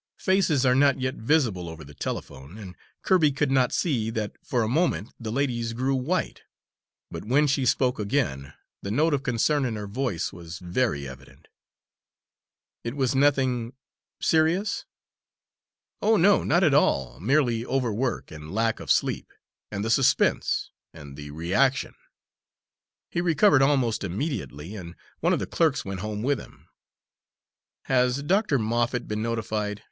Faces are not yet visible over the telephone, and Kirby could not see that for a moment the lady's grew white. But when she spoke again the note of concern in her voice was very evident. "It was nothing serious?" "Oh, no, not at all, merely overwork, and lack of sleep, and the suspense and the reaction. He recovered almost immediately, and one of the clerks went home with him." "Has Dr. Moffatt been notified?"